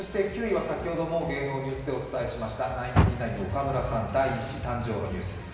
９位は先ほども芸能ニュースでお伝えしましたが、ナインティナインの岡村さん、第１子誕生のニュース。